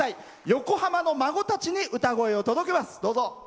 横浜の孫たちに歌声を届けます。